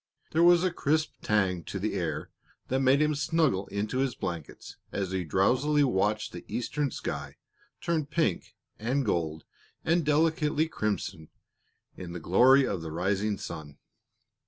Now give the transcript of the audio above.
There was a crisp tang to the air that made him snuggle into his blankets as he drowsily watched the eastern sky turn pink and gold and delicately crimson in the glory of the rising sun.